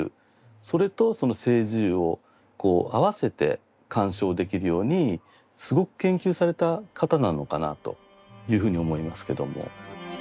それとその青磁釉をあわせて鑑賞できるようにすごく研究された方なのかなというふうに思いますけども。